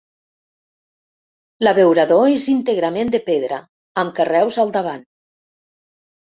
L'abeurador és íntegrament de pedra, amb carreus al davant.